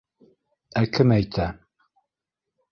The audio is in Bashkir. Ә кем әйтә?